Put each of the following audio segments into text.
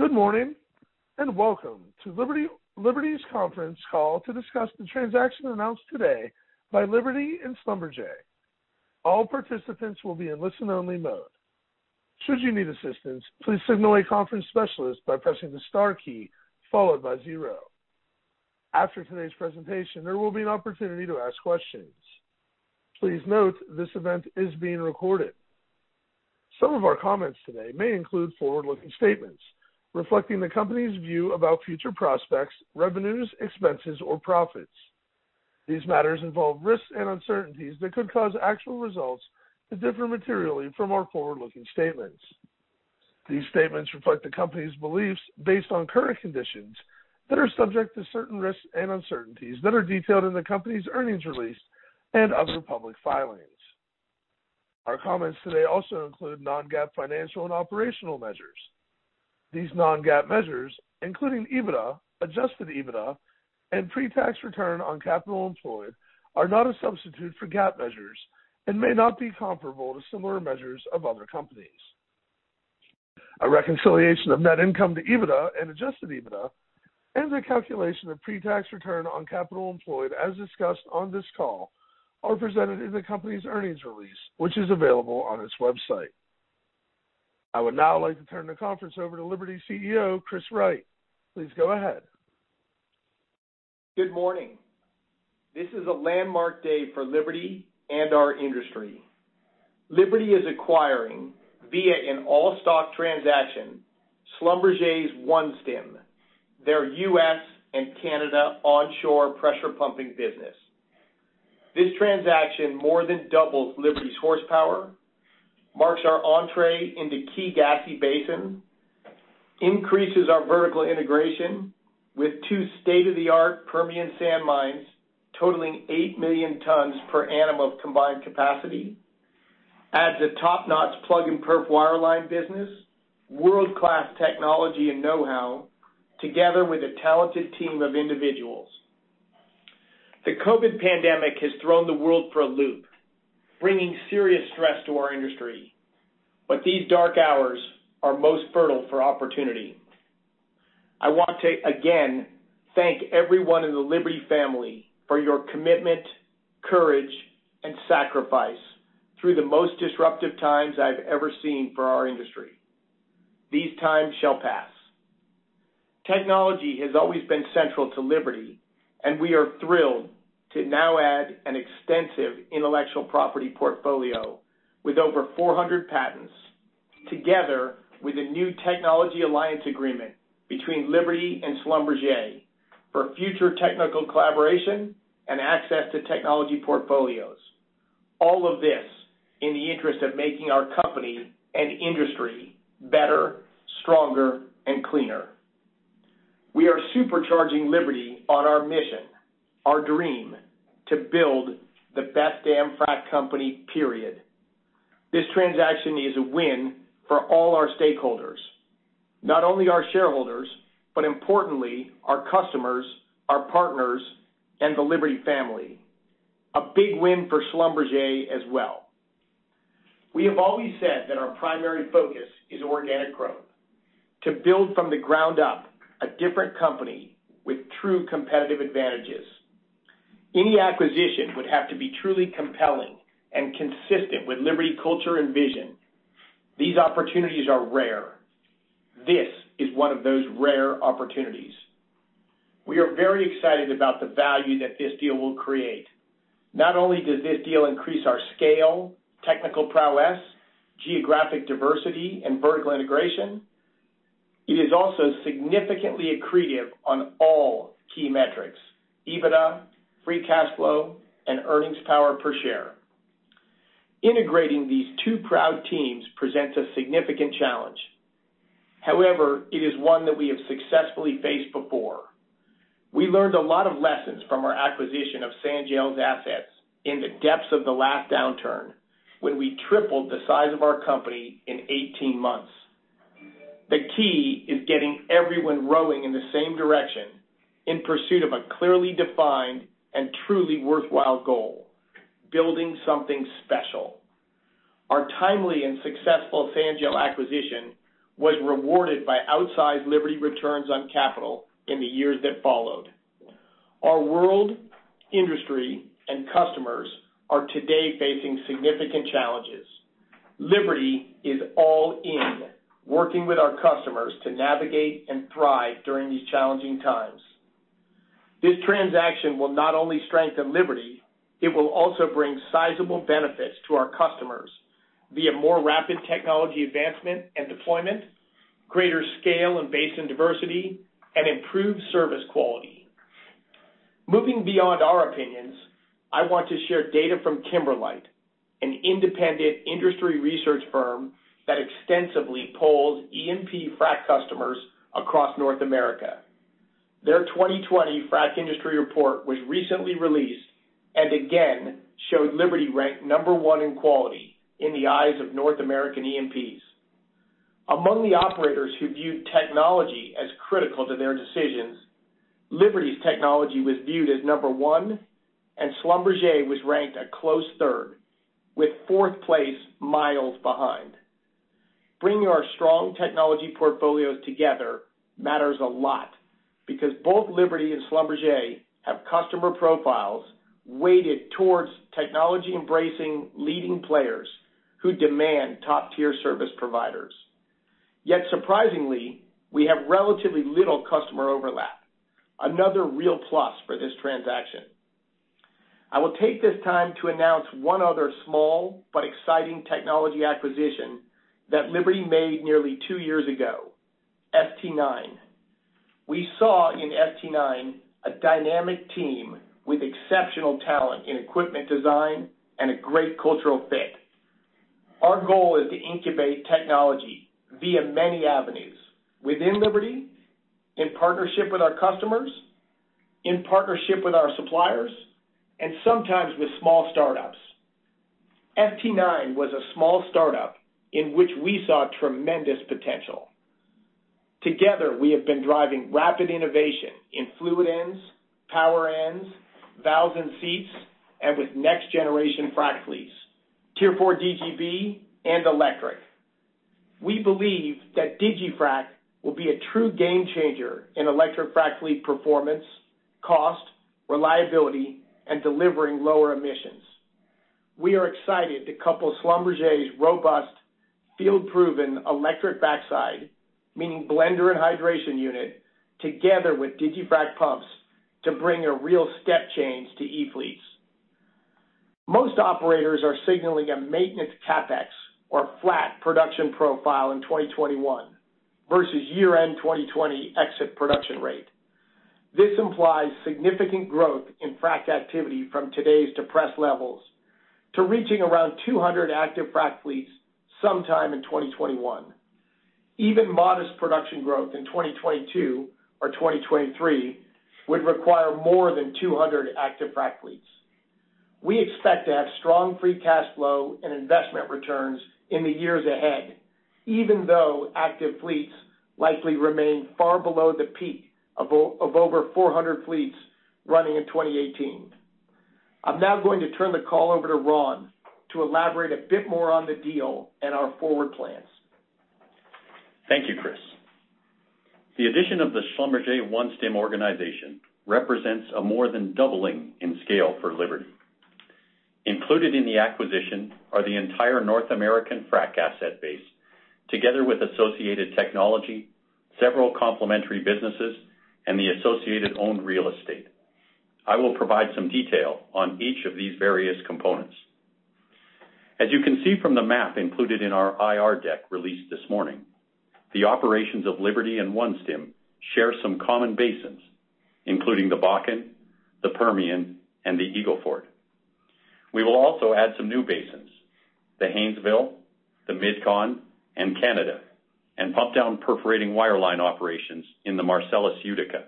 Good morning, welcome to Liberty's conference call to discuss the transaction announced today by Liberty and Schlumberger. All participants will be in listen-only mode. Should you need assistance, please signal a conference specialist by pressing the star key followed by zero. After today's presentation, there will be an opportunity to ask questions. Please note this event is being recorded. Some of our comments today may include forward-looking statements reflecting the company's view about future prospects, revenues, expenses, or profits. These matters involve risks and uncertainties that could cause actual results to differ materially from our forward-looking statements. These statements reflect the company's beliefs based on current conditions that are subject to certain risks and uncertainties that are detailed in the company's earnings release and other public filings. Our comments today also include non-GAAP financial and operational measures. These non-GAAP measures, including EBITDA, adjusted EBITDA, and pre-tax return on capital employed, are not a substitute for GAAP measures and may not be comparable to similar measures of other companies. A reconciliation of net income to EBITDA and adjusted EBITDA and the calculation of pre-tax return on capital employed as discussed on this call are presented in the company's earnings release, which is available on its website. I would now like to turn the conference over to Liberty's CEO, Chris Wright. Please go ahead. Good morning. This is a landmark day for Liberty and our industry. Liberty is acquiring, via an all-stock transaction, Schlumberger's OneStim, their U.S. and Canada onshore pressure pumping business. This transaction more than doubles Liberty's horsepower, marks our entrée into key gassy basins, increases our vertical integration with two state-of-the-art Permian sand mines totaling 8 million tons per annum of combined capacity, adds a top-notch plug and perf wireline business, world-class technology and know-how, together with a talented team of individuals. The COVID pandemic has thrown the world for a loop, bringing serious stress to our industry. These dark hours are most fertile for opportunity. I want to again thank everyone in the Liberty family for your commitment, courage, and sacrifice through the most disruptive times I've ever seen for our industry. These times shall pass. Technology has always been central to Liberty, and we are thrilled to now add an extensive intellectual property portfolio with over 400 patents together with a new technology alliance agreement between Liberty and Schlumberger for future technical collaboration and access to technology portfolios. All of this in the interest of making our company and industry better, stronger, and cleaner. We are supercharging Liberty on our mission, our dream to build the best damn frac company, period. This transaction is a win for all our stakeholders. Not only our shareholders, but importantly our customers, our partners, and the Liberty family. A big win for Schlumberger as well. We have always said that our primary focus is organic growth, to build from the ground up a different company with true competitive advantages. Any acquisition would have to be truly compelling and consistent with Liberty culture and vision. These opportunities are rare. This is one of those rare opportunities. We are very excited about the value that this deal will create. Not only does this deal increase our scale, technical prowess, geographic diversity, and vertical integration, it is also significantly accretive on all key metrics, EBITDA, free cash flow, and earnings power per share. Integrating these two proud teams presents a significant challenge. However, it is one that we have successfully faced before. We learned a lot of lessons from our acquisition of Sanjel's assets in the depths of the last downturn when we tripled the size of our company in 18 months. The key is getting everyone rowing in the same direction in pursuit of a clearly defined and truly worthwhile goal, building something special. Our timely and successful Sanjel acquisition was rewarded by outsized Liberty returns on capital in the years that followed. Our world, industry, and customers are today facing significant challenges. Liberty is all in, working with our customers to navigate and thrive during these challenging times. This transaction will not only strengthen Liberty, it will also bring sizable benefits to our customers via more rapid technology advancement and deployment, greater scale and basin diversity, and improved service quality. Moving beyond our opinions, I want to share data from Kimberlite, an independent industry research firm that extensively polls E&P frac customers across North America. Their 2020 frac industry report was recently released and again showed Liberty ranked number one in quality in the eyes of North American E&Ps. Among the operators who viewed technology as critical to their decisions-Liberty's technology was viewed as number one, and SLB was ranked a close third, with fourth place miles behind. Bringing our strong technology portfolios together matters a lot, because both Liberty and Schlumberger have customer profiles weighted towards technology-embracing leading players who demand top-tier service providers. Yet surprisingly, we have relatively little customer overlap, another real plus for this transaction. I will take this time to announce one other small but exciting technology acquisition that Liberty made nearly two years ago: ST9. We saw in ST9 a dynamic team with exceptional talent in equipment design and a great cultural fit. Our goal is to incubate technology via many avenues: within Liberty, in partnership with our customers, in partnership with our suppliers, and sometimes with small startups. ST9 was a small startup in which we saw tremendous potential. Together, we have been driving rapid innovation in fluid ends, power ends, valves and seats, and with next-generation frac fleets, Tier 4 DGB, and electric. We believe that DigiFrac will be a true game changer in electric frac fleet performance, cost, reliability, and delivering lower emissions. We are excited to couple SLB's robust field-proven electric backside, meaning blender and hydration unit, together with DigiFrac pumps to bring a real step change to e-fleets. Most operators are signaling a maintenance CapEx or flat production profile in 2021 versus year-end 2020 exit production rate. This implies significant growth in frac activity from today's depressed levels to reaching around 200 active frac fleets sometime in 2021. Even modest production growth in 2022 or 2023 would require more than 200 active frac fleets. We expect to have strong free cash flow and investment returns in the years ahead, even though active fleets likely remain far below the peak of over 400 fleets running in 2018. I'm now going to turn the call over to Ron to elaborate a bit more on the deal and our forward plans. Thank you, Chris. The addition of the Schlumberger OneStim organization represents a more than doubling in scale for Liberty. Included in the acquisition are the entire North American frac asset base, together with associated technology, several complementary businesses, and the associated owned real estate. I will provide some detail on each of these various components. As you can see from the map included in our IR deck released this morning, the operations of Liberty and OneStim share some common basins, including the Bakken, the Permian, and the Eagle Ford. We will also add some new basins, the Haynesville, the MidCon, and Canada, and pump down perforating wireline operations in the Marcellus Utica.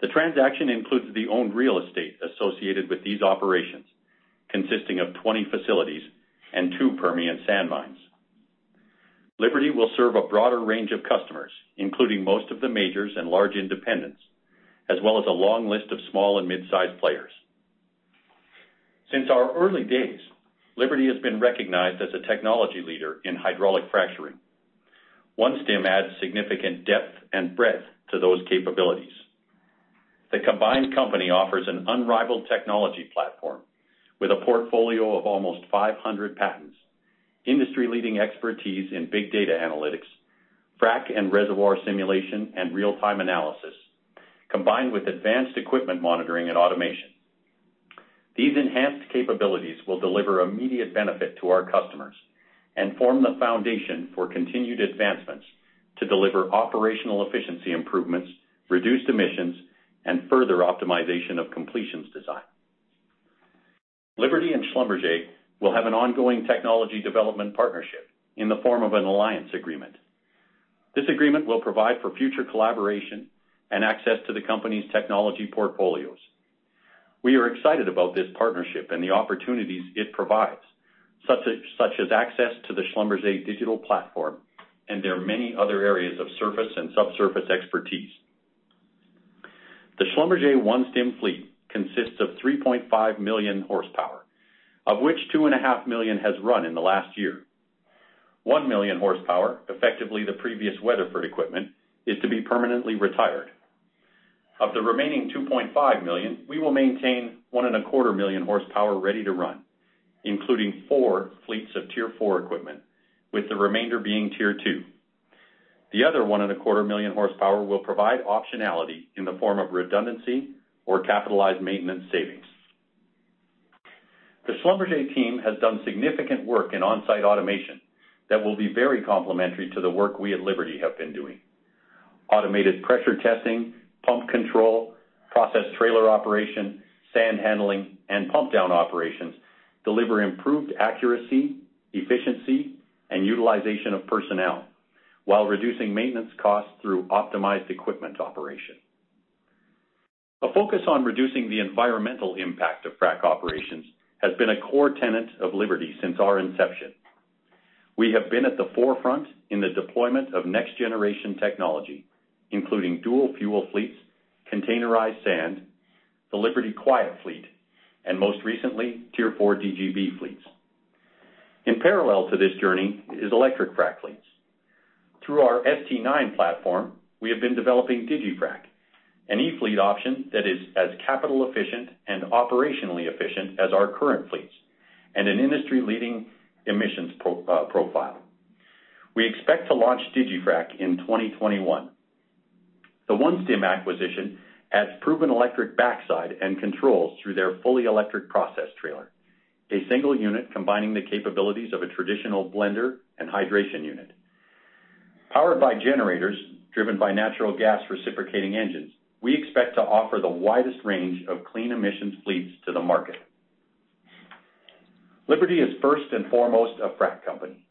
The transaction includes the owned real estate associated with these operations, consisting of 20 facilities and two Permian sand mines. Liberty will serve a broader range of customers, including most of the majors and large independents, as well as a long list of small and mid-size players. Since our early days, Liberty has been recognized as a technology leader in hydraulic fracturing. OneStim adds significant depth and breadth to those capabilities. The combined company offers an unrivaled technology platform with a portfolio of almost 500 patents, industry-leading expertise in big data analytics, frac and reservoir simulation, and real-time analysis, combined with advanced equipment monitoring and automation. These enhanced capabilities will deliver immediate benefit to our customers and form the foundation for continued advancements to deliver operational efficiency improvements, reduced emissions, and further optimization of completions design. Liberty and Schlumberger will have an ongoing technology development partnership in the form of an alliance agreement. This agreement will provide for future collaboration and access to the company's technology portfolios. We are excited about this partnership and the opportunities it provides, such as access to the SLB digital platform and their many other areas of surface and subsurface expertise. The SLB OneStim fleet consists of 3.5 million horsepower, of which 2.5 million has run in the last year. 1 million horsepower, effectively the previous Weatherford equipment, is to be permanently retired. Of the remaining 2.5 million, we will maintain 1.25 million horsepower ready to run, including four fleets of Tier 4 equipment, with the remainder being Tier 2. The other 1.25 million horsepower will provide optionality in the form of redundancy or capitalized maintenance savings. The SLB team has done significant work in on-site automation that will be very complementary to the work we at Liberty have been doing. Automated pressure testing, pump control, process trailer operation, sand handling, and pump down operations deliver improved accuracy, efficiency, and utilization of personnel, while reducing maintenance costs through optimized equipment operation. A focus on reducing the environmental impact of frac operations has been a core tenet of Liberty since our inception. We have been at the forefront in the deployment of next-generation technology, including dual fuel fleets, containerized sand, the Liberty Quiet Fleet, and most recently, Tier 4 DGB fleets. In parallel to this journey is electric frac fleets. Through our ST9 platform, we have been developing DigiFrac, an e-fleet option that is as capital efficient and operationally efficient as our current fleets, and an industry-leading emissions profile. We expect to launch DigiFrac in 2021. The OneStim acquisition adds proven electric backside and controls through their fully electric process trailer. A single unit combining the capabilities of a traditional blender and hydration unit. Powered by generators driven by natural gas reciprocating engines, we expect to offer the widest range of clean emissions fleets to the market. Liberty is first and foremost a frac company.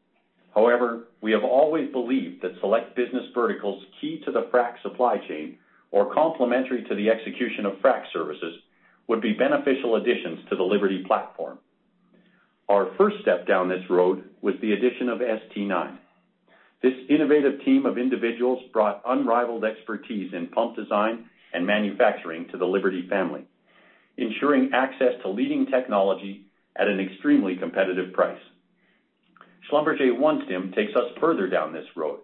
We have always believed that select business verticals key to the frac supply chain or complementary to the execution of frac services would be beneficial additions to the Liberty platform. Our first step down this road was the addition of ST9. This innovative team of individuals brought unrivaled expertise in pump design and manufacturing to the Liberty family, ensuring access to leading technology at an extremely competitive price. Schlumberger OneStim takes us further down this road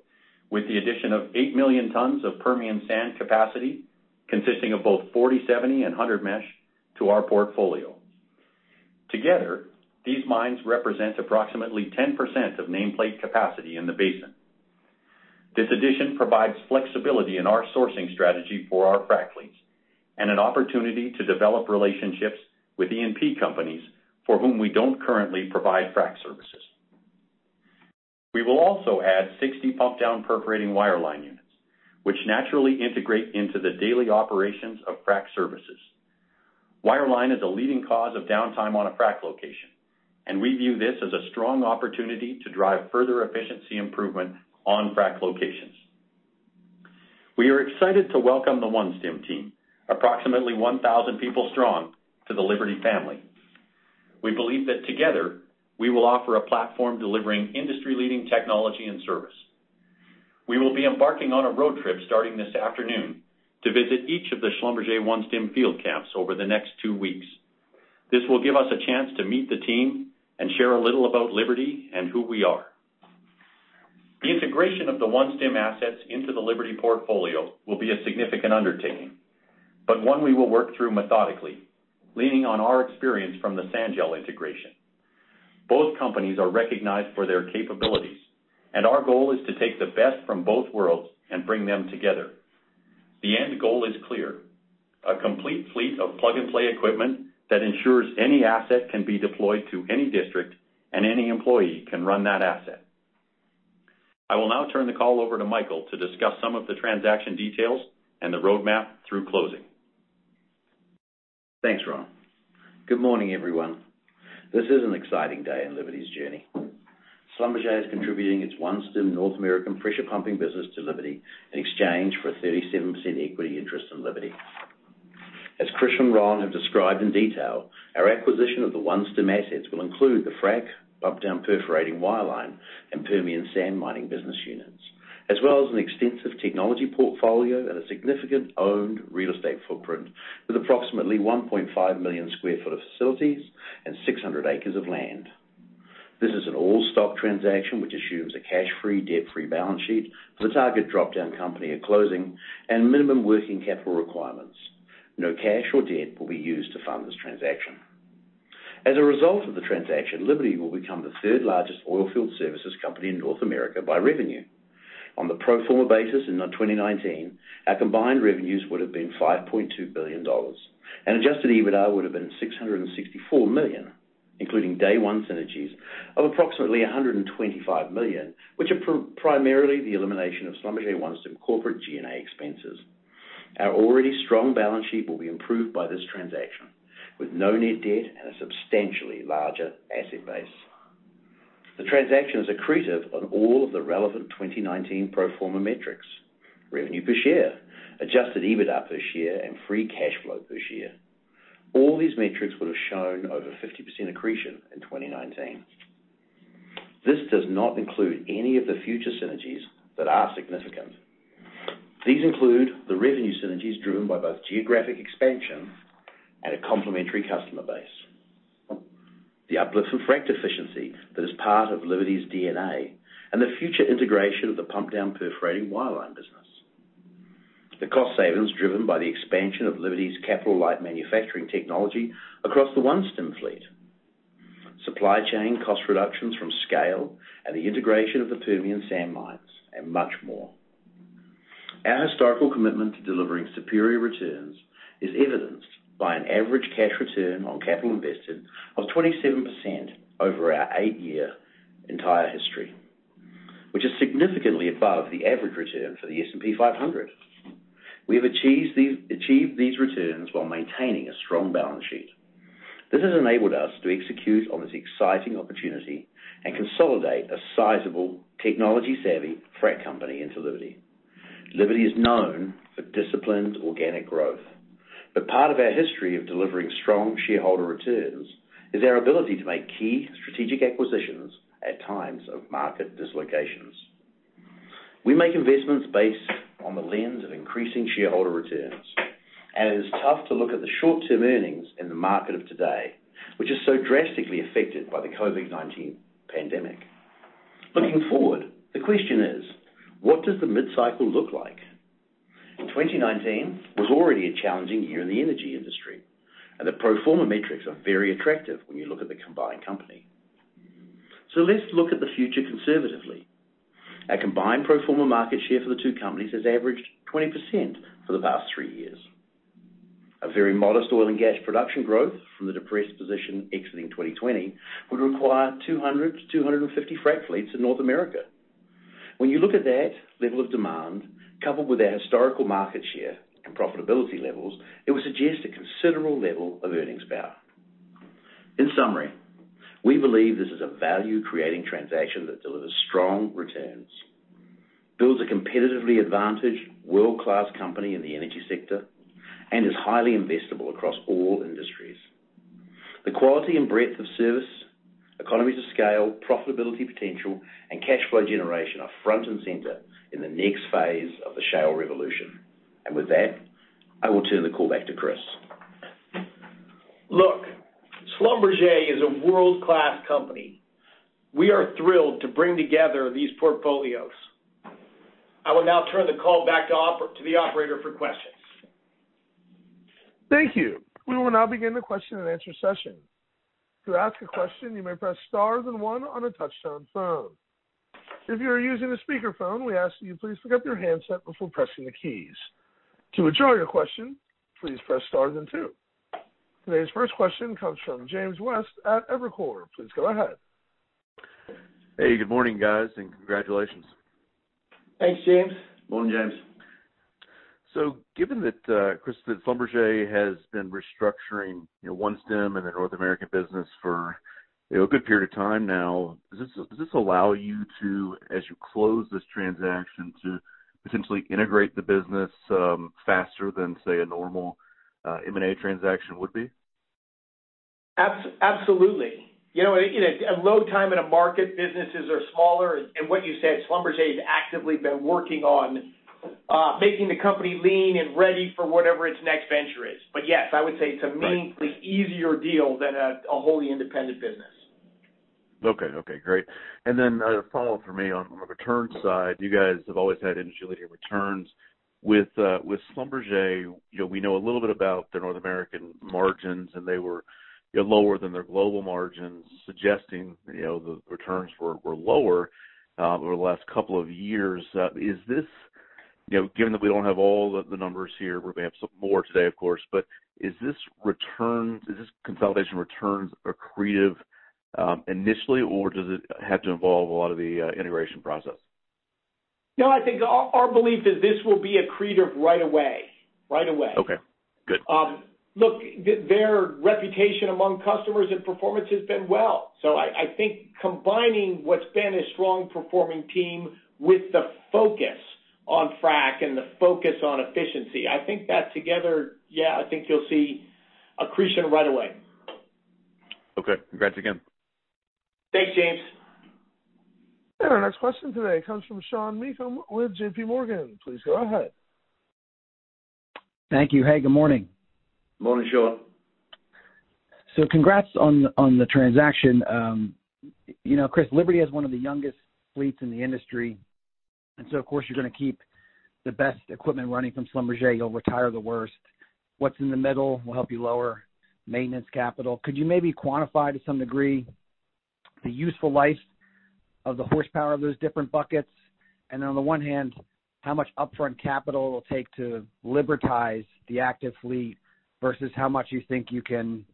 with the addition of 8 million tons of Permian sand capacity, consisting of both 40/70, and 100 mesh to our portfolio. Together, these mines represent approximately 10% of nameplate capacity in the basin. This addition provides flexibility in our sourcing strategy for our frac fleets and an opportunity to develop relationships with E&P companies for whom we don't currently provide frac services. We will also add 60 pump down perforating wireline units, which naturally integrate into the daily operations of frac services. Wireline is a leading cause of downtime on a frac location, and we view this as a strong opportunity to drive further efficiency improvement on frac locations. We are excited to welcome the OneStim team, approximately 1,000 people strong, to the Liberty family. We believe that together we will offer a platform delivering industry-leading technology and service. We will be embarking on a road trip starting this afternoon to visit each of the Schlumberger OneStim field camps over the next two weeks. This will give us a chance to meet the team and share a little about Liberty and who we are. The integration of the OneStim assets into the Liberty portfolio will be a significant undertaking, but one we will work through methodically, leaning on our experience from the Sanjel integration. Both companies are recognized for their capabilities, and our goal is to take the best from both worlds and bring them together. The end goal is clear: a complete fleet of plug-and-play equipment that ensures any asset can be deployed to any district and any employee can run that asset. I will now turn the call over to Michael to discuss some of the transaction details and the roadmap through closing. Thanks, Ron. Good morning, everyone. This is an exciting day in Liberty's journey. Schlumberger is contributing its OneStim North American pressure pumping business to Liberty in exchange for a 37% equity interest in Liberty. As Chris and Ron have described in detail, our acquisition of the OneStim assets will include the frac pump down perforating wireline and Permian sand mining business units, as well as an extensive technology portfolio and a significant owned real estate footprint with approximately 1.5 million square foot of facilities and 600 acres of land. This is an all-stock transaction which assumes a cash-free, debt-free balance sheet for the target drop-down company at closing and minimum working capital requirements. No cash or debt will be used to fund this transaction. As a result of the transaction, Liberty will become the third largest oilfield services company in North America by revenue. On the pro forma basis in 2019, our combined revenues would have been $5.2 billion and adjusted EBITDA would have been $664 million, including day 1 synergies of approximately $125 million, which are primarily the elimination of SLB OneStim corporate G&A expenses. Our already strong balance sheet will be improved by this transaction with no net debt and a substantially larger asset base. The transaction is accretive on all of the relevant 2019 pro forma metrics. Revenue per share, adjusted EBITDA per share, and free cash flow per share. All these metrics would have shown over 50% accretion in 2019. This does not include any of the future synergies that are significant. These include the revenue synergies driven by both geographic expansion and a complementary customer base. The uplift and frac efficiency that is part of Liberty's DNA and the future integration of the pump down perforating wireline business. The cost savings driven by the expansion of Liberty's capital-light manufacturing technology across the OneStim fleet. Supply chain cost reductions from scale and the integration of the Permian sand mines. Much more. Our historical commitment to delivering superior returns is evidenced by an average cash return on capital invested of 27% over our eight-year entire history, which is significantly above the average return for the S&P 500. We have achieved these returns while maintaining a strong balance sheet. This has enabled us to execute on this exciting opportunity and consolidate a sizable, technology-savvy frac company into Liberty. Liberty is known for disciplined organic growth. Part of our history of delivering strong shareholder returns is our ability to make key strategic acquisitions at times of market dislocations. We make investments based on the lens of increasing shareholder returns, and it is tough to look at the short-term earnings in the market of today, which is so drastically affected by the COVID-19 pandemic. Looking forward, the question is: what does the mid-cycle look like? 2019 was already a challenging year in the energy industry, and the pro forma metrics are very attractive when you look at the combined company. Let's look at the future conservatively. A combined pro forma market share for the two companies has averaged 20% for the past three years. A very modest oil and gas production growth from the depressed position exiting 2020 would require 200 to 250 frac fleets in North America. When you look at that level of demand, coupled with our historical market share and profitability levels, it would suggest a considerable level of earnings power. In summary, we believe this is a value-creating transaction that delivers strong returns, builds a competitively advantaged world-class company in the energy sector, and is highly investable across all industries. The quality and breadth of service, economies of scale, profitability potential, and cash flow generation are front and center in the next phase of the shale revolution. With that, I will turn the call back to Chris. SLB is a world-class company. We are thrilled to bring together these portfolios. I will now turn the call back to the operator for questions. Thank you. We will now begin the question and answer session. To ask a question you may press star one on your telephone touch-tone phone. If you are using a speakerphone we ask you to pick up your handset before pressing the star keys. To withdraw your question, please press star then two. Today's first question comes from James West at Evercore. Please go ahead. Hey, good morning, guys, and congratulations. Thanks, James. Morning, James. Given that, Chris, that SLB has been restructuring OneStim in the North American business for a good period of time now, does this allow you to, as you close this transaction, to essentially integrate the business faster than, say, a normal M&A transaction would be? Absolutely. At low time in a market, businesses are smaller. What you said, SLB has actively been working on making the company lean and ready for whatever its next venture is. Yes, I would say it's a meaningfully easier deal than a wholly independent business. Okay, great. A follow-up for me on the returns side. You guys have always had industry-leading returns. With SLB, we know a little bit about their North American margins, and they were lower than their global margins, suggesting the returns were lower over the last couple of years. Given that we don't have all the numbers here, we may have some more today, of course, does this consolidation returns accretive initially, or does it have to involve a lot of the integration process? No, I think our belief is this will be accretive right away. Okay, good. Look, their reputation among customers and performance has been well. I think combining what's been a strong performing team with the focus on frac and the focus on efficiency, I think that together, yeah, I think you'll see accretion right away. Okay. Congrats again. Thanks, James. Our next question today comes from Sean Meakim with JPMorgan. Please go ahead. Thank you. Hey, good morning. Morning, Sean. Congrats on the transaction. Chris, Liberty is one of the youngest fleets in the industry, of course you're going to keep the best equipment running from Schlumberger. You'll retire the worst. What's in the middle will help you lower maintenance capital. Could you maybe quantify to some degree the useful life of the horsepower of those different buckets? Then on the one hand, how much upfront capital it'll take to Libertize the active fleet versus how much you think you can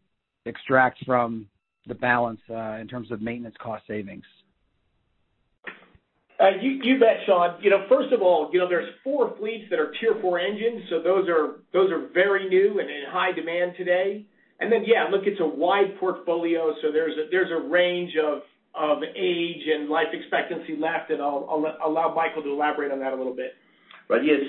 extract from the balance in terms of maintenance cost savings? You bet, Sean. First of all, there's four fleets that are Tier 4 engines, so those are very new and in high demand today. Yeah, look, it's a wide portfolio, so there's a range of age and life expectancy left, and I'll allow Michael to elaborate on that a little bit. Right. Yeah,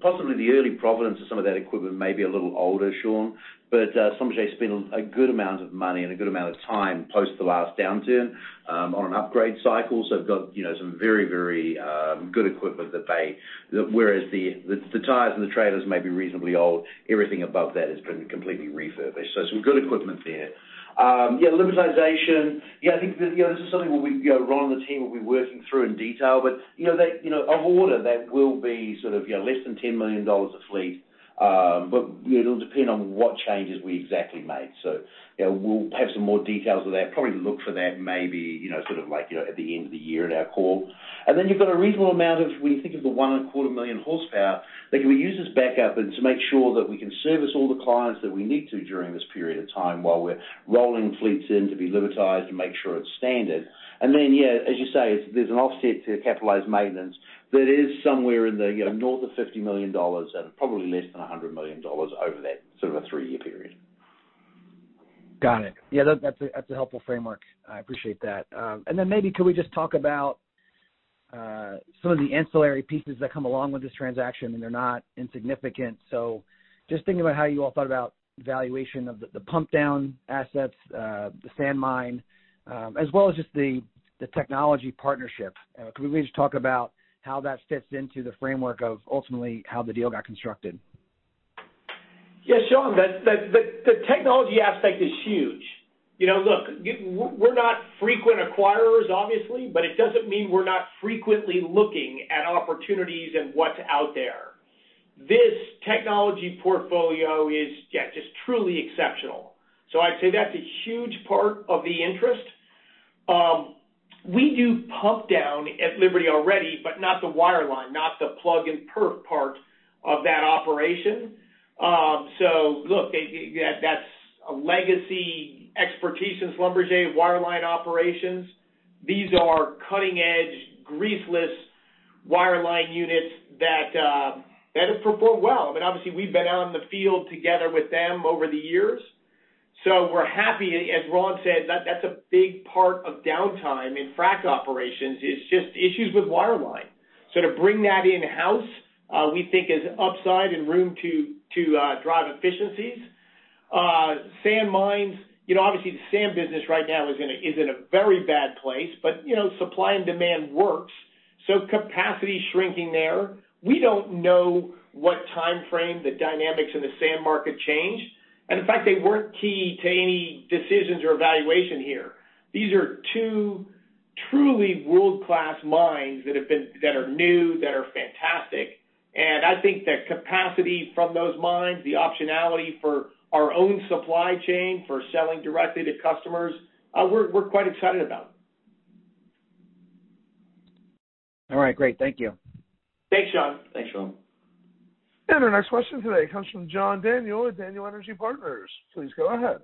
possibly the early provenance of some of that equipment may be a little older, Sean, Schlumberger spent a good amount of money and a good amount of time post the last downturn on an upgrade cycle. They've got some very good equipment whereas the tires and the trailers may be reasonably old, everything above that has been completely refurbished. Some good equipment there. Yeah, Libertization, I think this is something where Ron and the team will be working through in detail, of order, that will be less than $10 million a fleet. It'll depend on what changes we exactly made. We'll have some more details of that, probably look for that maybe at the end of the year at our call. You've got a reasonable amount of, when you think of the 1.25 million horsepower that can be used as backup and to make sure that we can service all the clients that we need to during this period of time while we're rolling fleets in to be Libertized and make sure it's standard. Yeah, as you say, there's an offset to capitalized maintenance that is somewhere in the north of $50 million and probably less than $100 million over that three-year period. Got it. Yeah, that's a helpful framework. I appreciate that. Maybe could we just talk about some of the ancillary pieces that come along with this transaction, and they're not insignificant. Just thinking about how you all thought about valuation of the pump down assets, the sand mine, as well as just the technology partnership. Could we just talk about how that fits into the framework of ultimately how the deal got constructed? Yeah, Sean, the technology aspect is huge. Look, we're not frequent acquirers, obviously, but it doesn't mean we're not frequently looking at opportunities and what's out there. This technology portfolio is just truly exceptional. I'd say that's a huge part of the interest. We do pump down at Liberty already, but not the wireline, not the plug and perf part of that operation. Look, that's a legacy expertise in Schlumberger wireline operations. These are cutting-edge greaseless wireline units that have performed well. I mean, obviously, we've been out in the field together with them over the years, so we're happy. As Ron said, that's a big part of downtime in frac operations, is just issues with wireline. To bring that in-house, we think is upside and room to drive efficiencies. Sand mines, obviously, the sand business right now is in a very bad place. Supply and demand works, so capacity is shrinking there. We don't know what timeframe the dynamics in the sand market change. In fact, they weren't key to any decisions or valuation here. These are two truly world-class mines that are new, that are fantastic. I think the capacity from those mines, the optionality for our own supply chain, for selling directly to customers, we're quite excited about. All right, great. Thank you. Thanks, Sean. Thanks, Sean. Our next question today comes from John Daniel with Daniel Energy Partners. Please go ahead.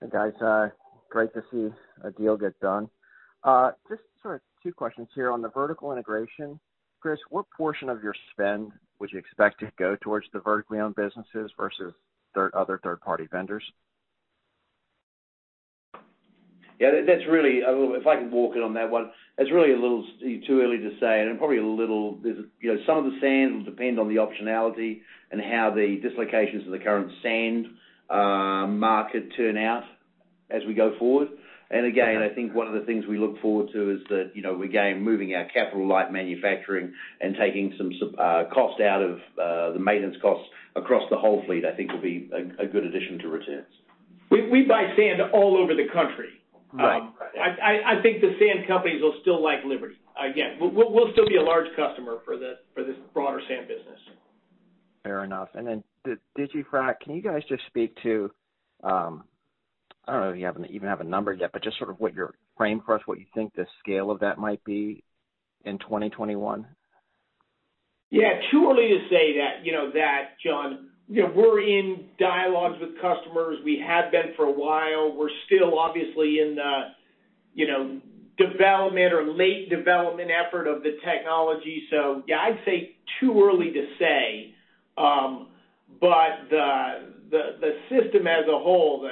Hey, guys. Great to see a deal get done. Just sort of two questions here on the vertical integration. Chris, what portion of your spend would you expect to go towards the vertically owned businesses versus other third-party vendors? Yeah, if I can walk in on that one, that's really a little too early to say, probably some of the sand will depend on the optionality and how the dislocations of the current sand market turn out as we go forward. Again, I think one of the things we look forward to is that, again, moving our capital light manufacturing and taking some cost out of the maintenance costs across the whole fleet, I think will be a good addition to returns. We buy sand all over the country. Right. I think the sand companies will still like Liberty. We'll still be a large customer for this broader sand business. Fair enough. DigiFrac, can you guys just speak to, I don't know if you even have a number yet, but just sort of what your frame for us, what you think the scale of that might be in 2021? Yeah. Too early to say that, John. We're in dialogues with customers. We have been for a while. We're still obviously in the development or late development effort of the technology. Yeah, I'd say too early to say. The system as a whole,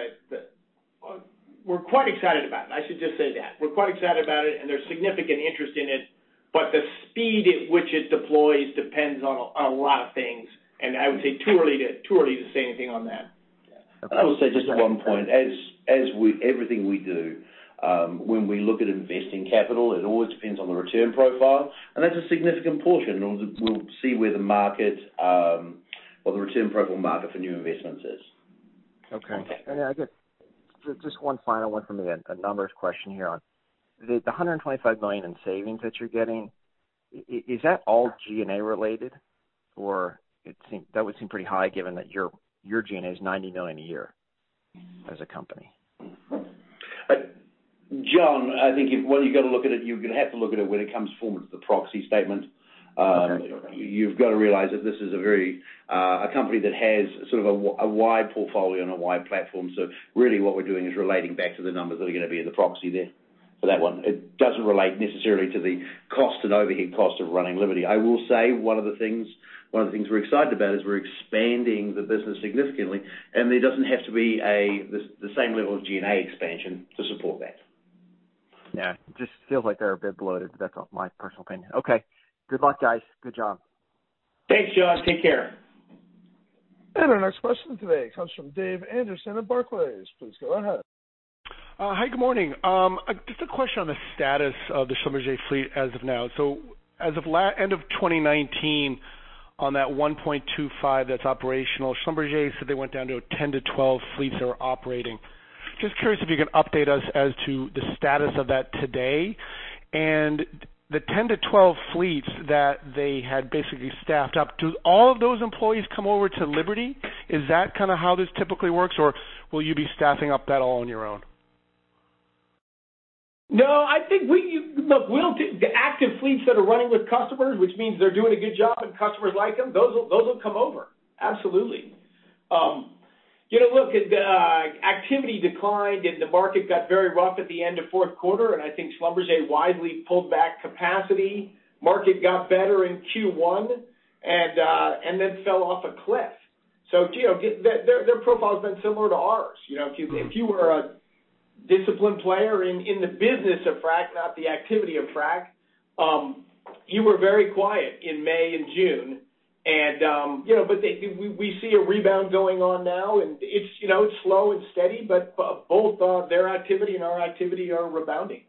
we're quite excited about it. I should just say that. We're quite excited about it, and there's significant interest in it, but the speed at which it deploys depends on a lot of things, and I would say too early to say anything on that. I will say just one point. As with everything we do, when we look at investing capital, it always depends on the return profile, and that's a significant portion. We'll see where the market or the return profile market for new investments is. Okay. I guess just one final one from me, then. A numbers question here. The $125 million in savings that you're getting, is that all G&A related? That would seem pretty high given that your G&A is $90 million a year as a company. John, I think the way you got to look at it, you're going to have to look at it when it comes forward to the proxy statement. Okay. You've got to realize that this is a company that has sort of a wide portfolio and a wide platform. Really what we're doing is relating back to the numbers that are going to be in the proxy there for that one. It doesn't relate necessarily to the cost and overhead cost of running Liberty. I will say one of the things we're excited about is we're expanding the business significantly, and there doesn't have to be the same level of G&A expansion to support that. Just feels like they're a bit bloated, but that's my personal opinion. Okay. Good luck, guys. Good job. Thanks, John. Take care. Our next question today comes from David Anderson at Barclays. Please go ahead. Hi, good morning. Just a question on the status of the Schlumberger fleet as of now. As of end of 2019, on that 1.25 that's operational, Schlumberger said they went down to 10 to 12 fleets that were operating. Just curious if you can update us as to the status of that today and the 10-12 fleets that they had basically staffed up. Do all of those employees come over to Liberty? Is that kind of how this typically works, or will you be staffing up that all on your own? No. Look, the active fleets that are running with customers, which means they're doing a good job and customers like them, those will come over. Absolutely. Look, activity declined and the market got very rough at the end of fourth quarter, and I think SLB widely pulled back capacity. Market got better in Q1. Then fell off a cliff. Their profile's been similar to ours. If you were a disciplined player in the business of frac, not the activity of frac, you were very quiet in May and June. We see a rebound going on now, and it's slow and steady, but both their activity and our activity are rebounding.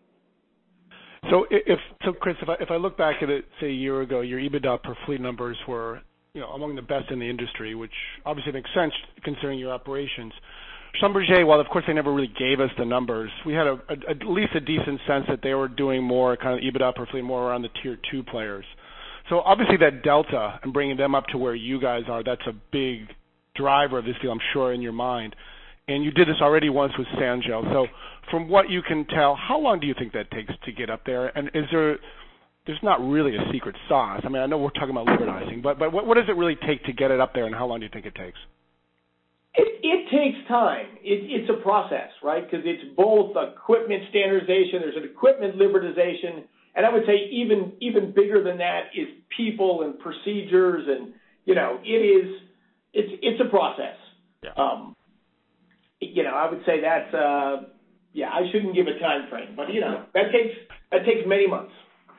Chris, if I look back at it, say, a year ago, your EBITDA per fleet numbers were among the best in the industry, which obviously makes sense considering your operations. SLB, while of course they never really gave us the numbers, we had at least a decent sense that they were doing more kind of EBITDA, per fleet more around the Tier 2 players. Obviously that delta and bringing them up to where you guys are, that's a big driver of this deal, I'm sure, in your mind. You did this already once with Sanjel. From what you can tell, how long do you think that takes to get up there? There's not really a secret sauce. I know we're talking about libertizing, but what does it really take to get it up there, and how long do you think it takes? It takes time. It's a process, right? Because it's both equipment standardization, there's an equipment Liberty-ization, and I would say even bigger than that is people and procedures and it's a process. Yeah. I would say Yeah, I shouldn't give a timeframe, but that takes many months.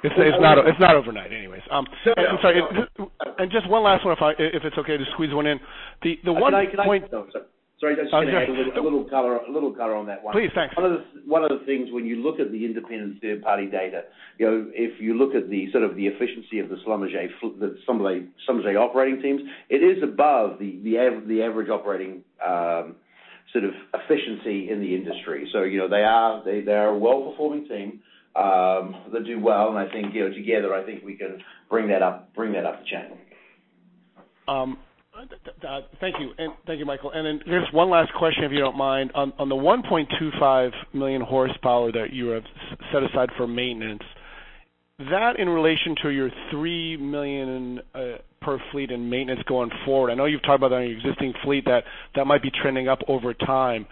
It's not overnight anyways. I'm sorry. Just one last one, if it's okay to squeeze one in. Oh, sorry. A little color on that one. Please. Thanks. One of the things when you look at the independent third-party data, if you look at the sort of the efficiency of the SLB operating teams, it is above the average operating sort of efficiency in the industry. They are a well-performing team that do well, and I think together, I think we can bring that up the chain. Thank you, Michael. Just one last question, if you don't mind. On the 1.25 million horsepower that you have set aside for maintenance, that in relation to your $3 million per fleet in maintenance going forward, I know you've talked about that on your existing fleet, that that might be trending up over time.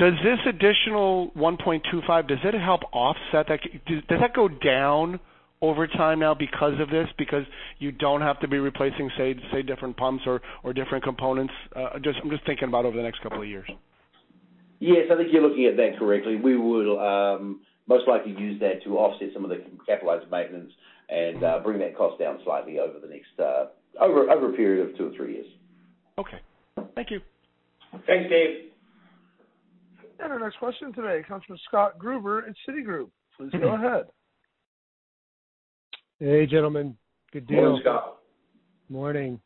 Does this additional 1.25 million, does that help offset that? Does that go down over time now because of this? Because you don't have to be replacing, say, different pumps or different components? I'm just thinking about over the next couple of years. Yes, I think you're looking at that correctly. We would most likely use that to offset some of the capitalized maintenance and bring that cost down slightly over a period of two or three years. Okay. Thank you. Thanks, Dave. Our next question today comes from Scott Gruber at Citigroup. Please go ahead. Hey, gentlemen. Good deal. Morning, Scott. Morning.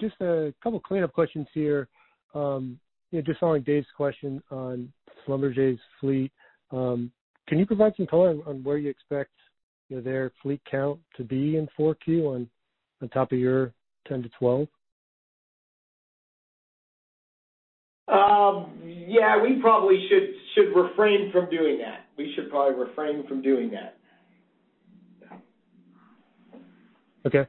Just a couple clean-up questions here. Just following Dave's question on SLB's fleet, can you provide some color on where you expect their fleet count to be in 4Q on top of your 10-12 fleets? Yeah, we probably should refrain from doing that. We should probably refrain from doing that. Okay.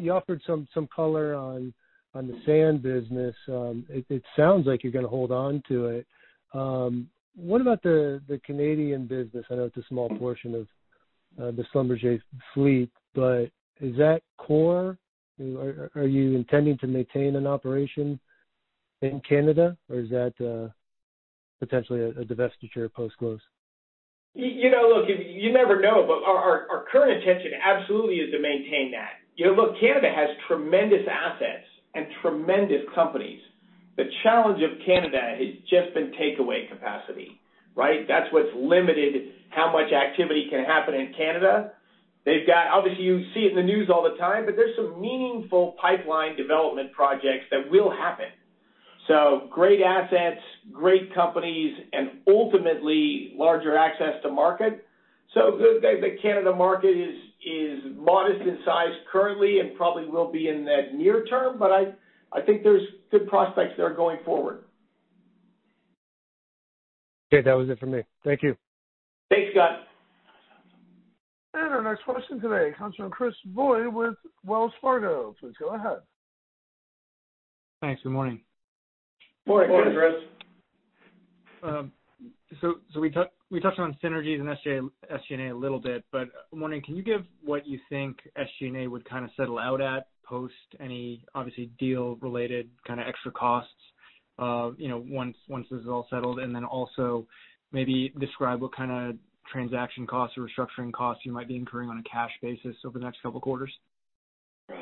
You offered some color on the sand business. It sounds like you're gonna hold on to it. What about the Canadian business? I know it's a small portion of the SLB fleet, is that core? Are you intending to maintain an operation in Canada, or is that potentially a divestiture post-close? Look, you never know, but our current intention absolutely is to maintain that. Look, Canada has tremendous assets and tremendous companies. The challenge of Canada has just been takeaway capacity, right? That's what's limited how much activity can happen in Canada. Obviously, you see it in the news all the time. There's some meaningful pipeline development projects that will happen. Great assets, great companies, and ultimately larger access to market. The Canada market is modest in size currently and probably will be in that near term. I think there's good prospects there going forward. Okay. That was it for me. Thank you. Thanks, Scott. Our next question today comes from Chris Voie with Wells Fargo. Please go ahead. Thanks. Good morning. Morning, Chris. We touched on synergies and SG&A a little bit, but I'm wondering, can you give what you think SG&A would kind of settle out at post any obviously deal-related kind of extra costs once this is all settled? Also maybe describe what kind of transaction costs or restructuring costs you might be incurring on a cash basis over the next couple of quarters. Right.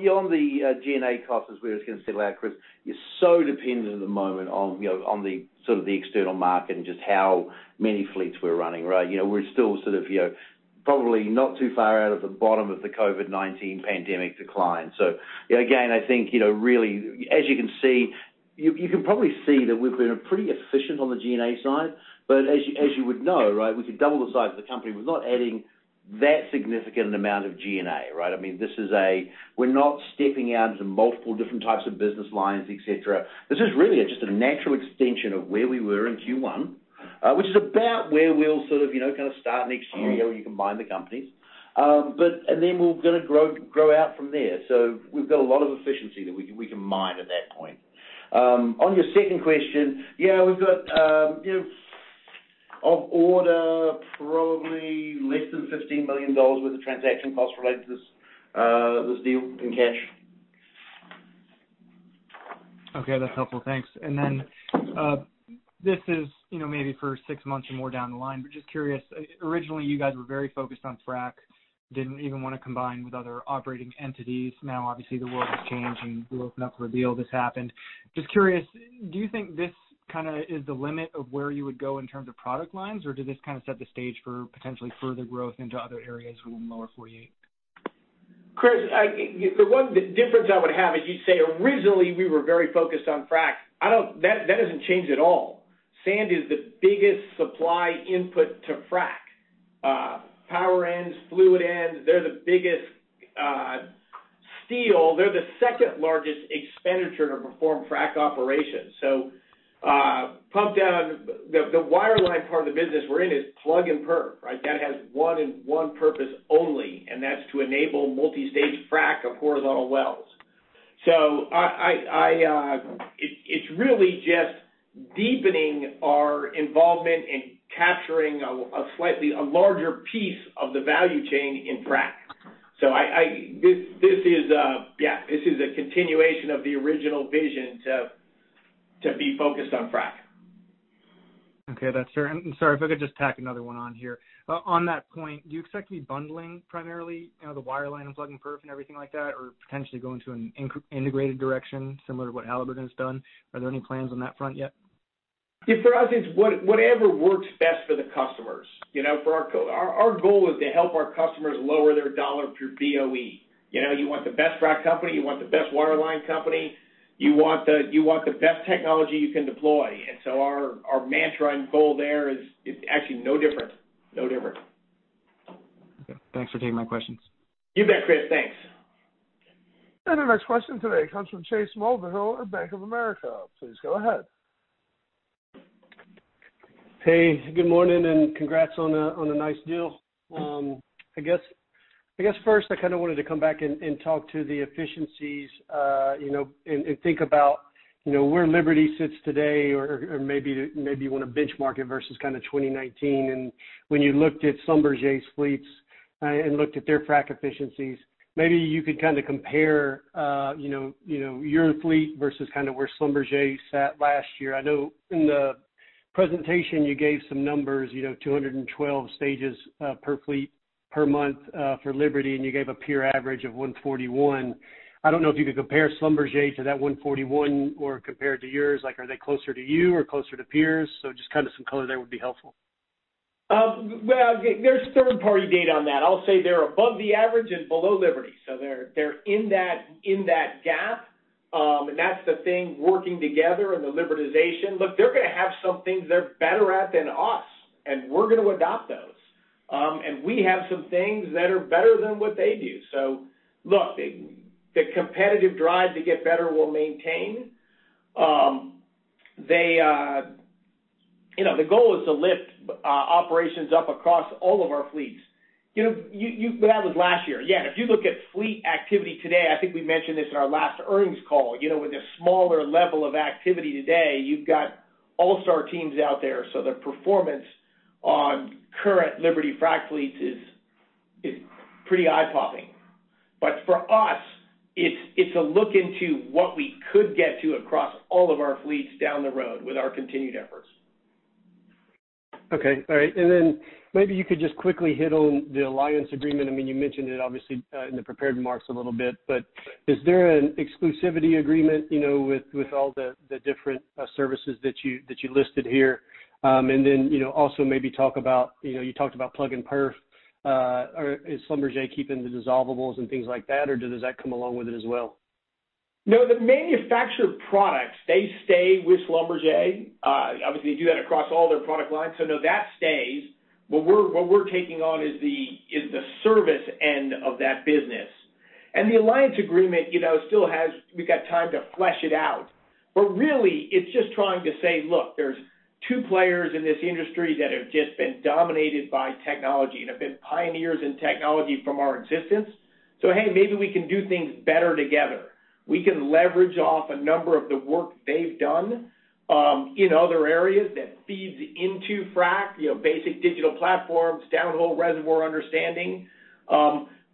Beyond the G&A costs as we were just going to settle out, Chris, it's so dependent at the moment on the sort of the external market and just how many fleets we're running, right? We're still sort of probably not too far out of the bottom of the COVID-19 pandemic decline. Again, I think really, as you can see, you can probably see that we've been pretty efficient on the G&A side, but as you would know, right, we could double the size of the company. We're not adding that significant amount of G&A, right? I mean, we're not stepping out into multiple different types of business lines, et cetera. This is really just a natural extension of where we were in Q1 which is about where we'll sort of start next year when you combine the companies. Then we're gonna grow out from there. We've got a lot of efficiency that we can mine at that point. On your second question, yeah, we've got of order probably less than $15 million worth of transaction costs related to this deal in cash. Okay, that's helpful. Thanks. This is maybe for six months or more down the line, but just curious, originally, you guys were very focused on frac, didn't even want to combine with other operating entities. Now, obviously, the world has changed, and you opened up for a deal, this happened. Just curious, do you think this is the limit of where you would go in terms of product lines, or did this set the stage for potentially further growth into other areas within the Lower 48? Chris, the one difference I would have is you say, originally, we were very focused on frac. That doesn't change at all. Sand is the biggest supply input to frac. Power ends, fluid ends, they're the biggest. Steel, they're the second largest expenditure to perform frac operations. Pump down, the wireline part of the business we're in is plug and perf. That has one and one purpose only, and that's to enable multi-stage frac of horizontal wells. It's really just deepening our involvement in capturing a slightly larger piece of the value chain in frac. This is a continuation of the original vision to be focused on frac. Okay, that's fair. Sorry, if I could just tack another one on here. On that point, do you expect to be bundling primarily, the wireline and plug and perf and everything like that, or potentially going to an integrated direction, similar to what Halliburton's done? Are there any plans on that front yet? For us, it's whatever works best for the customers. Our goal is to help our customers lower their dollar per BOE. You want the best frac company, you want the best wireline company. You want the best technology you can deploy. Our mantra and goal there is actually no different. Okay. Thanks for taking my questions. You bet, Chris. Thanks. Our next question today comes from Chase Mulvehill at Bank of America. Please go ahead. Good morning, and congrats on a nice deal. I guess first, I kind of wanted to come back and talk to the efficiencies, and think about where Liberty sits today or maybe you want to benchmark it versus 2019. When you looked at SLB's fleets and looked at their frac efficiencies, maybe you could kind of compare your fleet versus where SLB sat last year. I know in the presentation you gave some numbers, 212 stages per fleet per month for Liberty, and you gave a peer average of 141. I don't know if you could compare SLB to that 141 or compare it to yours, are they closer to you or closer to peers? Just some color there would be helpful. Well, there's third party data on that. I'll say they're above the average and below Liberty. They're in that gap. That's the thing, working together and the Libertization. Look, they're gonna have some things they're better at than us, and we're gonna adopt those. We have some things that are better than what they do. Look, the competitive drive to get better will maintain. The goal is to lift operations up across all of our fleets. That was last year. Yeah, if you look at fleet activity today, I think we mentioned this in our last earnings call. With the smaller level of activity today, you've got all-star teams out there. The performance on current Liberty frac fleets is pretty eye-popping. For us, it's a look into what we could get to across all of our fleets down the road with our continued efforts. Okay. All right. Then maybe you could just quickly hit on the alliance agreement. You mentioned it obviously in the prepared remarks a little bit, but is there an exclusivity agreement with all the different services that you listed here? Then, also maybe talk about, you talked about plug and perf. Is SLB keeping the dissolvables and things like that, or does that come along with it as well? No, the manufactured products, they stay with SLB. Obviously, they do that across all their product lines. No, that stays. The alliance agreement, we've got time to flesh it out. Really, it's just trying to say, look, there's two players in this industry that have just been dominated by technology and have been pioneers in technology from our existence. Hey, maybe we can do things better together. We can leverage off a number of the work they've done, in other areas that feeds into frac, basic digital platforms, downhole reservoir understanding.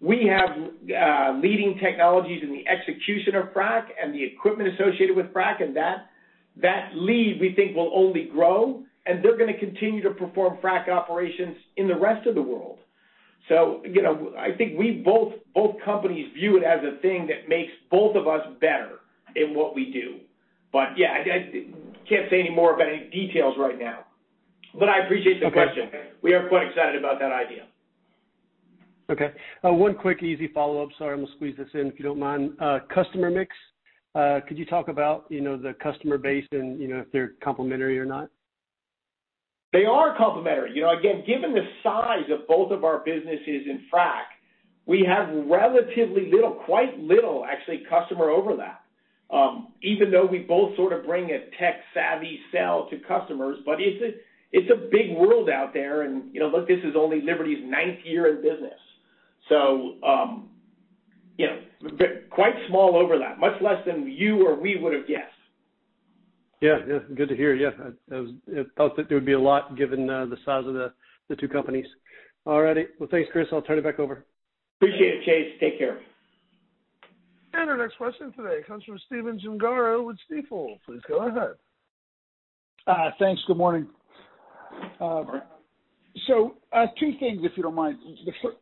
We have leading technologies in the execution of frac and the equipment associated with frac, and that lead, we think, will only grow, and they're gonna continue to perform frac operations in the rest of the world. I think both companies view it as a thing that makes both of us better in what we do. Yeah, I can't say any more about any details right now. I appreciate the question. Okay. We are quite excited about that idea. Okay. One quick, easy follow-up. Sorry, I'm gonna squeeze this in, if you don't mind. Customer mix, could you talk about the customer base and if they're complementary or not? They are complementary. Again, given the size of both of our businesses in frac, we have relatively little, quite little actually, customer overlap. Even though we both sort of bring a tech savvy sell to customers, but it's a big world out there and look, this is only Liberty's ninth year in business. Quite small overlap, much less than you or we would have guessed. Yeah. Good to hear. Yeah. I thought that there would be a lot given the size of the two companies. All righty. Well, thanks, Chris. I'll turn it back over. Appreciate it, Chase. Take care. Our next question today comes from Stephen Gengaro with Stifel. Please go ahead. Thanks. Good morning. Good morning. Two things, if you don't mind.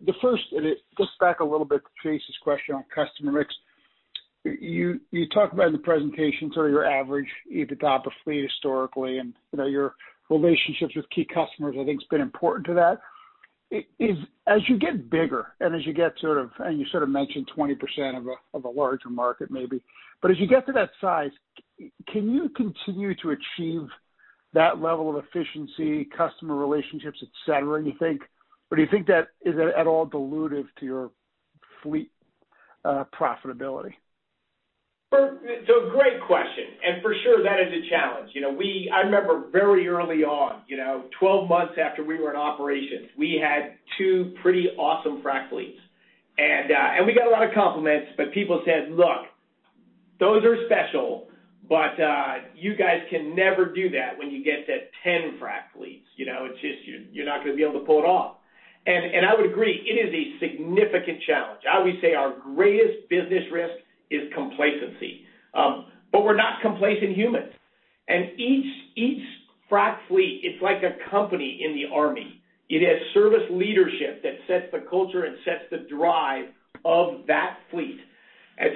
The first, and it goes back a little bit to Chase's question on customer mix. You talked about in the presentation, sort of your average EBITDA per fleet historically, and your relationships with key customers I think has been important to that. As you get bigger and you sort of mentioned 20% of a larger market maybe, but as you get to that size, can you continue to achieve that level of efficiency, customer relationships, et cetera, do you think? Or do you think that is at all dilutive to your fleet profitability? Great question. For sure that is a challenge. I remember very early on, 12 months after we were in operation, we had two pretty awesome frac fleets. We got a lot of compliments, but people said, "Look, those are special, but you guys can never do that when you get to 10 frac fleets." It's just, you're not going to be able to pull it off. I would agree. It is a significant challenge. I always say our greatest business risk is complacency. We're not complacent humans. Each frac fleet, it's like a company in the army. It has service leadership that sets the culture and sets the drive of that fleet.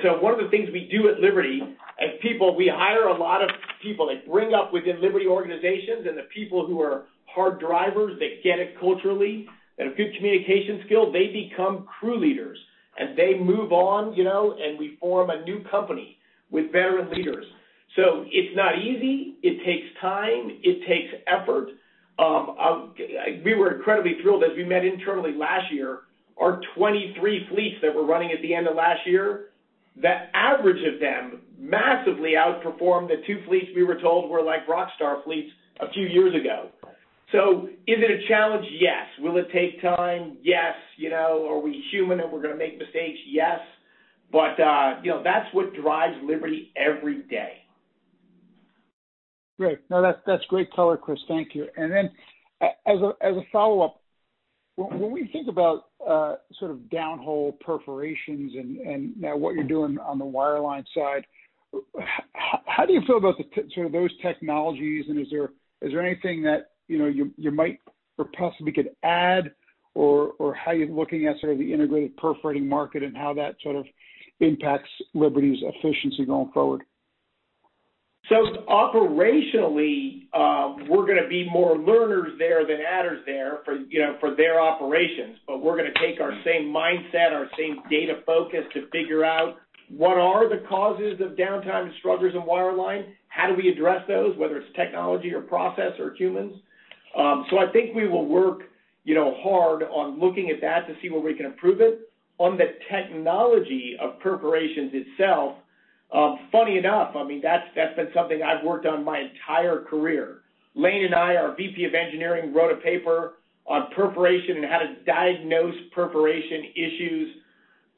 One of the things we do at Liberty, as people, we hire a lot of people that bring up within Liberty organizations, and the people who are hard drivers that get it culturally, and have good communication skill, they become crew leaders. They move on, and we form a new company with veteran leaders. It's not easy. It takes time. It takes effort. We were incredibly thrilled as we met internally last year. Our 23 fleets that were running at the end of last year, the average of them massively outperformed the two fleets we were told were like rockstar fleets a few years ago. Is it a challenge? Yes. Will it take time? Yes. Are we human and we're gonna make mistakes? Yes. That's what drives Liberty every day. Great. No, that's great color, Chris. Thank you. As a follow-up, when we think about sort of downhole perforations and now what you're doing on the wireline side, how do you feel about sort of those technologies, and is there anything that you might or possibly could add, or how are you looking at sort of the integrated perforating market and how that sort of impacts Liberty's efficiency going forward? Operationally, we're gonna be more learners there than adders there for their operations. We're gonna take our same mindset, our same data focus to figure out what are the causes of downtime and struggles in wireline, how do we address those, whether it's technology or process or humans. I think we will work hard on looking at that to see where we can improve it. On the technology of perforations itself, funny enough, that's been something I've worked on my entire career. Leen and I, our VP of engineering, wrote a paper on perforation and how to diagnose perforation issues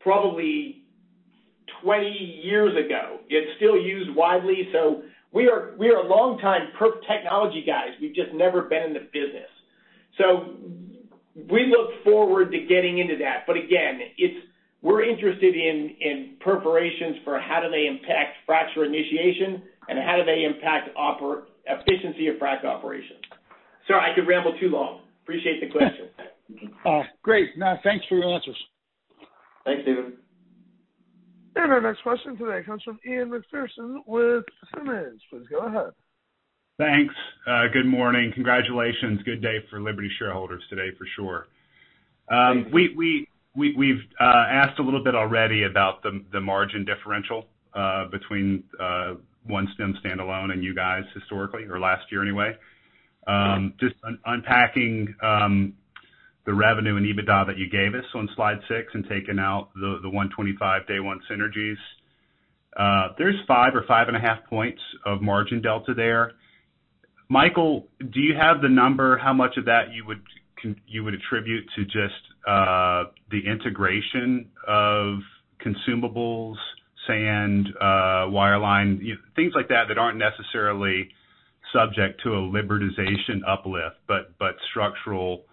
probably 20 years ago. It's still used widely. We are long time perf technology guys. We've just never been in the business. We look forward to getting into that. Again, we're interested in perforations for how do they impact fracture initiation and how do they impact efficiency of frac operations. Sorry, I could ramble too long. Appreciate the question. Great. No, thanks for your answers. Thanks, Stephen. Our next question today comes from Ian Macpherson with Simmons. Please go ahead. Thanks. Good morning. Congratulations. Good day for Liberty shareholders today, for sure. Thank you. We've asked a little bit already about the margin differential, between OneStim standalone and you guys historically, or last year anyway. Just unpacking the revenue and EBITDA that you gave us on slide six and taking out the 125 day one synergies. There's five or five and a half points of margin delta there. Michael, do you have the number, how much of that you would attribute to just the integration of consumables, sand, wireline, things like that aren't necessarily subject to a Libertization uplift, but structural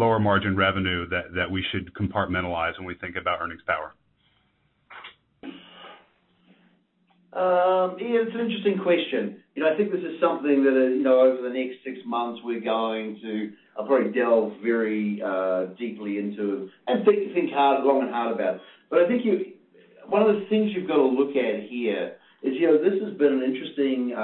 lower margin revenue that we should compartmentalize when we think about earnings power? Ian, it's an interesting question. I think this is something that over the next six months, we're going to probably delve very deeply into and think long and hard about. I think one of the things you've got to look at here is, this has been an interesting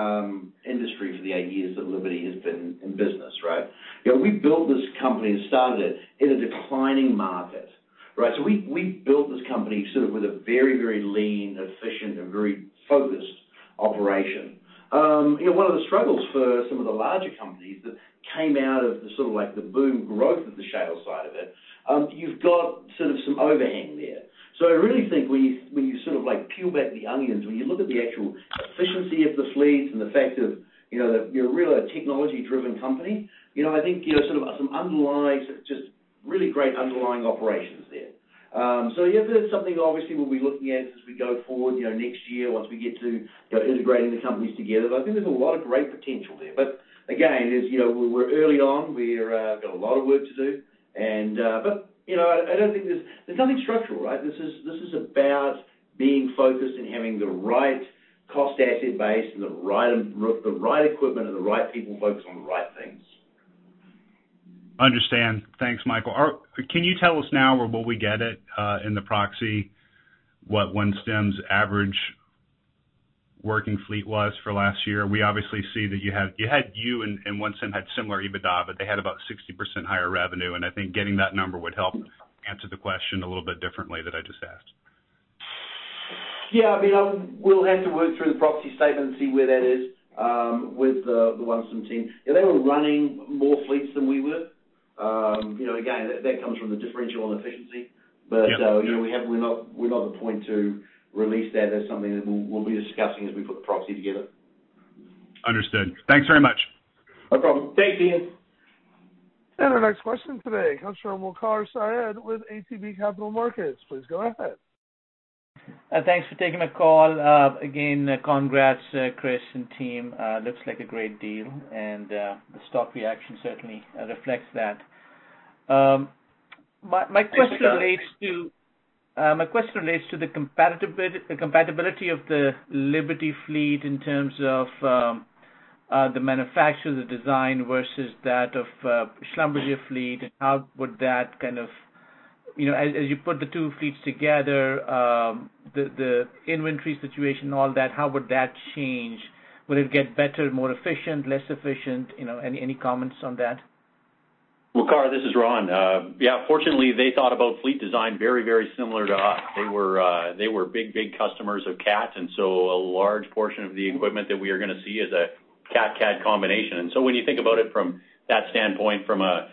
industry for the eight years that Liberty has been in business, right? We built this company and started it in a declining market, right? We built this company sort of with a very, very lean, efficient, and very focused operation. One of the struggles for some of the larger companies that came out of the sort of like the boom growth of the shale side of it, you've got sort of some overhang I really think when you sort of peel back the onions, when you look at the actual efficiency of this fleet and the fact that you're really a technology-driven company, I think there are some underlying, just really great underlying operations there. Yeah, that's something obviously we'll be looking at as we go forward next year once we get to integrating the companies together. I think there's a lot of great potential there. Again, as you know, we're early on. We've got a lot of work to do. I don't think there's nothing structural, right? This is about being focused and having the right cost asset base and the right equipment and the right people focused on the right things. Understand. Thanks, Michael. Can you tell us now or will we get it in the proxy what OneStim's average working fleet was for last year? We obviously see that you had you and OneStim had similar EBITDA, but they had about 60% higher revenue. I think getting that number would help answer the question a little bit differently that I just asked. Yeah. We'll have to work through the proxy statement and see where that is with the OneStim team. Yeah, they were running more fleets than we were. Again, that comes from the differential and efficiency. Yeah. We're not at the point to release that. That's something that we'll be discussing as we put the proxy together. Understood. Thanks very much. No problem. Thanks, Ian. Our next question today comes from Waqar Syed with ATB Capital Markets. Please go ahead. Thanks for taking the call. Again, congrats, Chris and team. Looks like a great deal. The stock reaction certainly reflects that. My question relates to the compatibility of the Liberty fleet in terms of the manufacture, the design, versus that of the SLB fleet. As you put the two fleets together, the inventory situation and all that, how would that change? Would it get better, more efficient, less efficient? Any comments on that? Waqar, this is Ron. Yeah. Fortunately, they thought about fleet design very similar to us. They were big customers of CAT. A large portion of the equipment that we are going to see is a CAT-CAT combination. When you think about it from that standpoint, from a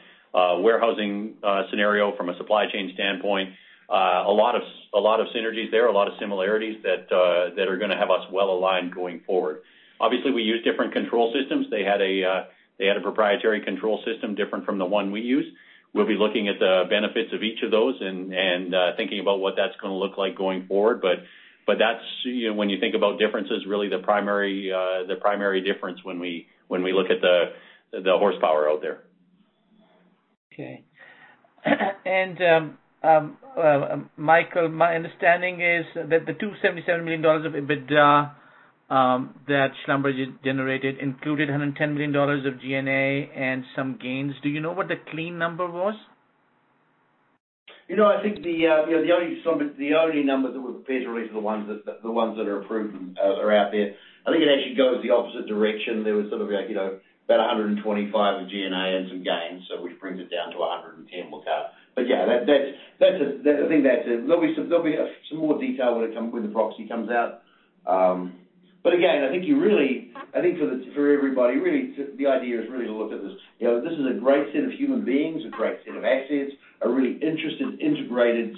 warehousing scenario, from a supply chain standpoint, a lot of synergies there, a lot of similarities that are going to have us well-aligned going forward. Obviously, we use different control systems. They had a proprietary control system different from the one we use. We'll be looking at the benefits of each of those and thinking about what that's going to look like going forward. That's, when you think about differences, really the primary difference when we look at the horsepower out there. Okay. Michael, my understanding is that the $277 million of EBITDA that Schlumberger generated included $110 million of G&A and some gains. Do you know what the clean number was? I think the only number that we're prepared to release are the ones that are approved and are out there. I think it actually goes the opposite direction. There was sort of about $125 of G&A and some gains, which brings it down to $110, Waqar. Yeah. There'll be some more detail when the proxy comes out. Again, I think for everybody really, the idea is really to look at this. This is a great set of human beings, a great set of assets, a really interesting integrated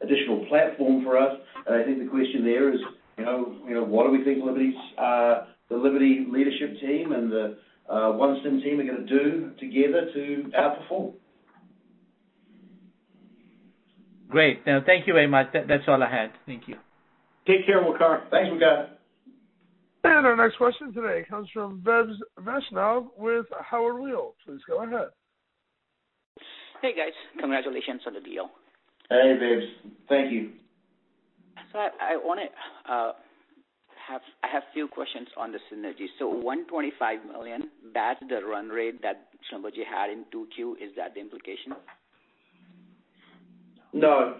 additional platform for us. I think the question there is, what do we think the Liberty leadership team and the OneStim team are going to do together to outperform? Great. No, thank you very much. That's all I had. Thank you. Take care, Waqar. Thanks, Waqar. Our next question today comes from Vaibhav Vaishnav with Howard Weil. Please go ahead. Hey, guys. Congratulations on the deal. Hey, Vebs. Thank you. I have a few questions on the synergy. $125 million, that's the run rate that SLB had in 2Q, is that the implication? No.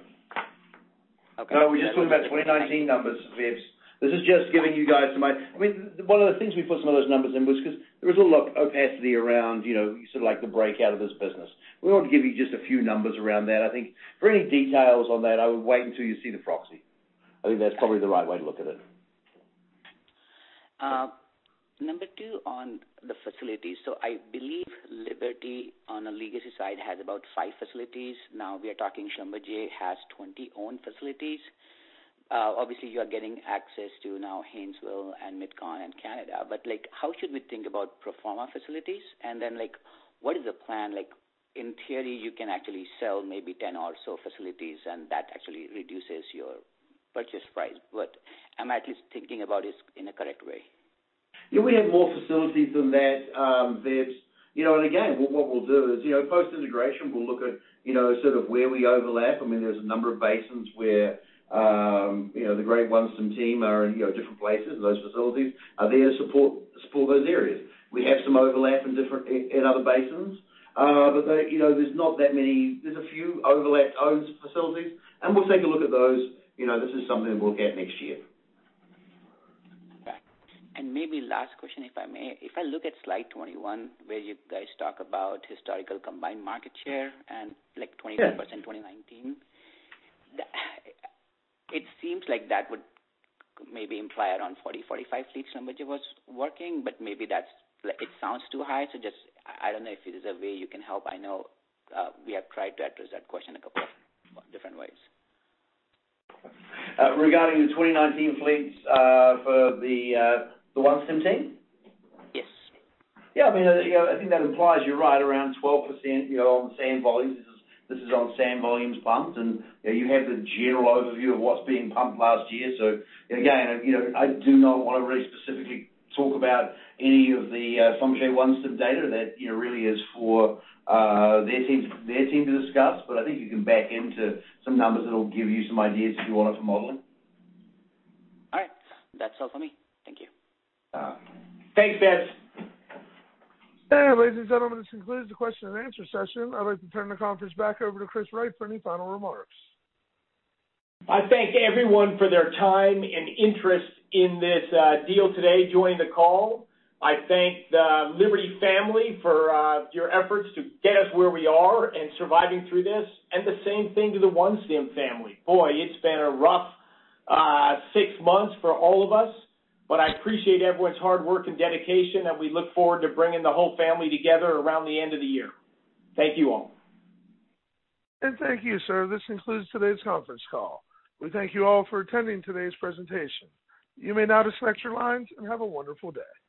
Okay. No, we're just talking about 2019 numbers, Vebs. This is just giving you guys some idea. One of the things we put some of those numbers in was because there was a lot of opacity around the break out of this business. We want to give you just a few numbers around that. I think for any details on that, I would wait until you see the proxy. I think that's probably the right way to look at it. Number two on the facilities. I believe Liberty on a legacy side has about five facilities. We are talking SLB has 20 owned facilities. You are getting access to now Haynesville and MidCon and Canada. How should we think about pro forma facilities? What is the plan? In theory, you can actually sell maybe 10 or so facilities, and that actually reduces your purchase price. Am I at least thinking about this in a correct way? Yeah. We have more facilities than that, Vebs. Again, what we'll do is post-integration, we'll look at sort of where we overlap. There's a number of basins where the great OneStim team are in different places, and those facilities are there to support those areas. We have some overlap in other basins. There's a few overlap owned facilities, and we'll take a look at those. This is something we'll look at next year. Okay. Maybe last question, if I may. If I look at slide 21, where you guys talk about historical combined market share and like 22% in 2019. It seems like that would maybe imply around 40, 45 fleets SLB was working, maybe it sounds too high. Just, I don't know if there is a way you can help. I know we have tried to address that question a couple of different ways. Regarding the 2019 fleets for the OneStim team? Yes. Yeah. I think that implies you're right around 12% on sand volumes. This is on sand volumes pumped, you have the general overview of what's being pumped last year. Again, I do not want to really specifically talk about any of the SLB OneStim data. That really is for their team to discuss. I think you can back into some numbers that'll give you some ideas if you want it for modeling. All right. That's all for me. Thank you. Thanks, Vebs. Ladies and gentlemen, this concludes the question and answer session. I'd like to turn the conference back over to Chris Wright for any final remarks. I thank everyone for their time and interest in this deal today joining the call. I thank the Liberty family for your efforts to get us where we are and surviving through this, and the same thing to the OneStim family. Boy, it's been a rough six months for all of us, but I appreciate everyone's hard work and dedication, and we look forward to bringing the whole family together around the end of the year. Thank you all. Thank you, sir. This concludes today's conference call. We thank you all for attending today's presentation. You may now disconnect your lines and have a wonderful day.